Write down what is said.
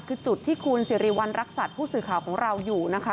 คือจุดที่คุณสิริวัณรักษัตริย์ผู้สื่อข่าวของเราอยู่นะคะ